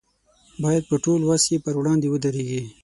باید په ټول وس یې پر وړاندې ودرېږي.